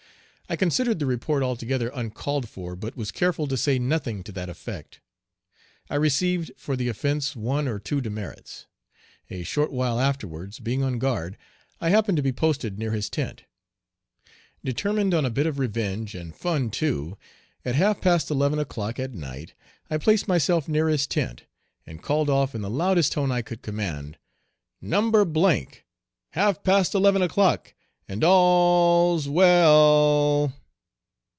I considered the report altogether uncalled for, but was careful to say nothing to that effect. I received for the offence one or two demerits. A short while afterwards, being on guard, I happened to be posted near his tent. Determined on a bit of revenge, and fun too, at half past eleven o'clock at night I placed myself near his tent, and called off in the loudest tone I could command, "No. half past eleven o'clock, and all l l l's well l l!"